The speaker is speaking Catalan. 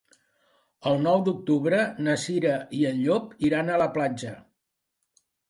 El nou d'octubre na Cira i en Llop iran a la platja.